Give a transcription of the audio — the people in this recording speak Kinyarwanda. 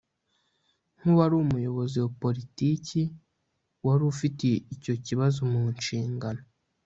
nk’uwari umuyobozi wa politiki wari ufite icyo kibazo mu nshingano